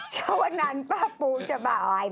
ช่วงนั้นป้าปูจะบ่ายไหม